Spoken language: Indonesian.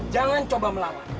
jangan coba melawan